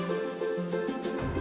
satu dua tiga